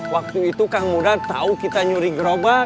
waktu itu kang muda tahu kita nyuri gerobak